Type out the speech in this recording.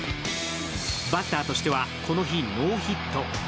バッターとしては、この日ノーヒット。